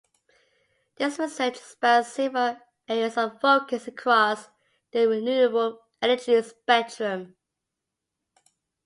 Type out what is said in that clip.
This research spans several areas of focus across the renewable energy spectrum.